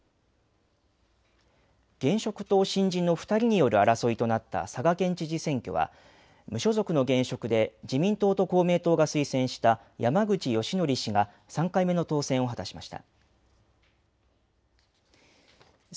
現職と新人の２人による争いとなった佐賀県知事選挙は無所属の現職で自民党と公明党が推薦した山口祥義氏が３回目の当選を果たしました。